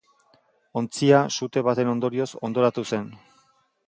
Ontzia sute baten ondorioz hondoratu zen.